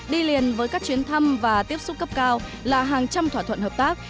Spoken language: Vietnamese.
đi liền với các chuyến thăm và tiếp xúc cấp cao là hàng trăm thỏa thuận hợp tác